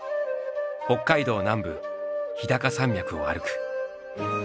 北海道南部日高山脈を歩く。